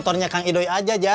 gak deh gak jadi